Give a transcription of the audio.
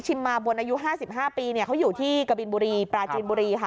มาบนอายุ๕๕ปีเขาอยู่ที่กะบินบุรีปราจีนบุรีค่ะ